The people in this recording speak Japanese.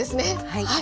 はい。